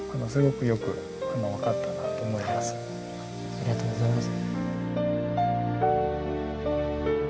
ありがとうございます。